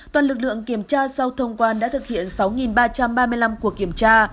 toàn lực lượng kiểm tra sau thông quan đã thực hiện sáu ba trăm ba mươi năm cuộc kiểm tra